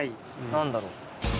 何だろう？